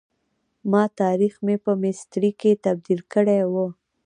ما تاریخ مې په میسترې کي تبد یل کړی وو.